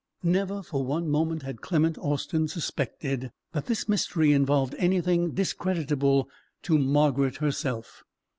Never for one moment had Clement Austin suspected that this mystery involved anything discreditable to Margaret herself.